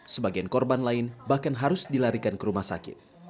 sebagian korban lain bahkan harus dilarikan ke rumah sakit